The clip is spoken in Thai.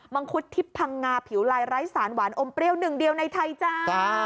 งคุดทิพย์พังงาผิวลายไร้สารหวานอมเปรี้ยวหนึ่งเดียวในไทยจ้า